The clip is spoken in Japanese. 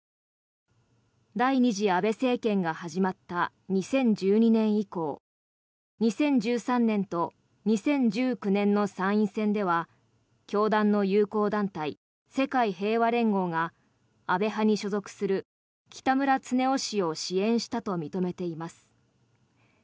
第２次安倍政権が始まった２０１２年以降２０１３年と２０１９年の参院選では教団の友好団体世界平和連合が安倍派に所属する北村経夫氏を支援したと認めています。